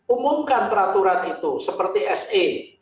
umumkan peraturan itu seperti se